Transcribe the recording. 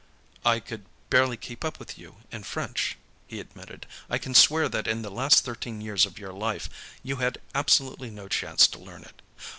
"I could barely keep up with you, in French," he admitted. "I can swear that in the last thirteen years of your life, you had absolutely no chance to learn it.